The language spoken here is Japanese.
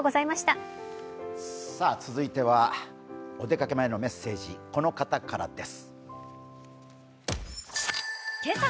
続いてはお出かけ前のメッセージ、この方からです。